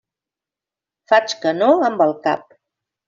Faig que no amb el cap.